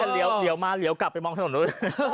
ไม่แต่เหลียวมาเหลียวกลับไปมองถนนด้วย